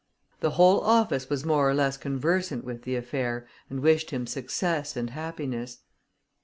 The whole office was more or less conversant with the affair, and wished him success and happiness.